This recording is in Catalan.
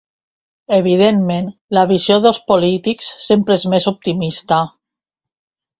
Evidentment, la visió dels polítics sempre és més optimista.